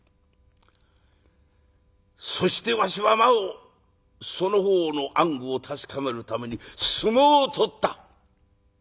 そしてわしはなおその方の暗愚を確かめるために相撲を取った。